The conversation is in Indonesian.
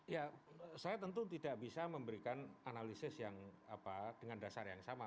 ya saya tentu tidak bisa memberikan analisis yang dengan dasar yang sama